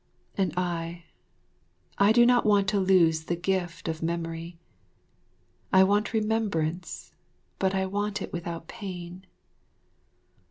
And I, I do not want to lose the gift of memory; I want remembrance, but I want it without pain.